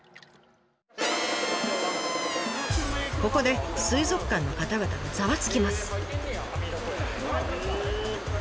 ここで水族館の方々がざわつきます。